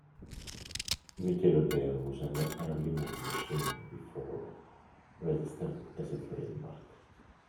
"Nickelodeon" was an early movie machine before registered as a trademark.